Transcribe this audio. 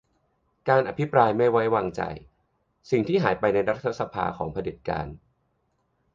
การอภิปรายไม่ไว้วางใจ : สิ่งที่หายไปในรัฐสภา ของเผด็จการ